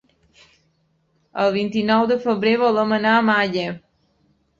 El vint-i-nou de febrer volem anar a Malla.